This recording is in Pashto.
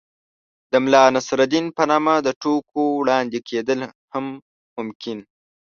د ملا نصر الدين په نامه د ټوکو وړاندې کېدل هم ممکن